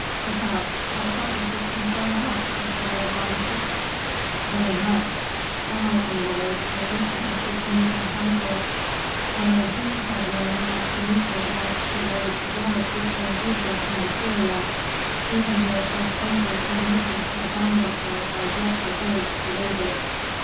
"Perhaps; but how does this concern us?" inquired Rameses. "Very much. Thou, O lord, art listening to Phœnician counsels; but our Jews have learned that Phœnicia wants to raise a war between Egypt and Assyria. Even their first bankers and merchants have bound themselves by dreadful oaths to raise it."